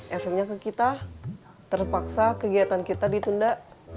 efeknya ke kita terpaksa kegiatan kita ditunda